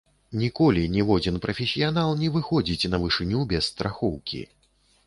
Ніколі ніводзін прафесіянал не выходзіць на вышыню без страхоўкі.